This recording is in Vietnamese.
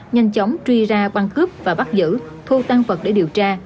nhanh chóng truy ra quân cướp và bắt giữ thu tăng vật để điều tra